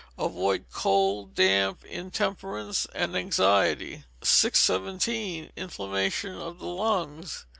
Avoid cold, damp, intemperance, and anxiety. 617. Inflammation of the Lungs.